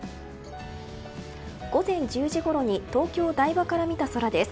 午前１０時ごろに東京・台場から見た空です。